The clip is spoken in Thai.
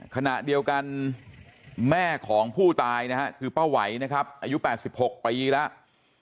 ขณะเดียวกันแม่ของผู้ตายนะฮะคือป้าไหวนะครับอายุ๘๖ปีแล้ว